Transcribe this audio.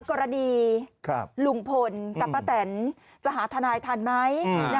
กรณีลุงพลกับป้าแตนจะหาทนายทันไหม